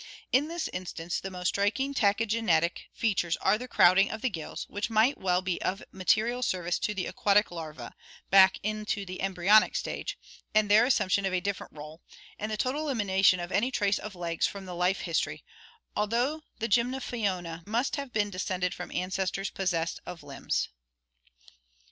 In this instance the most striking tachygenetic RECAPITULATION, RACIAL OLD AGE 217 features are the crowding of the gills, which might well be of material service to the aquatic larva, back into the embryonic stage, and their assumption of a different rdle, and the total elimination of any trace of legs from the life history, although the Gymnophiona must have been descended from ancestors possessed of limbs.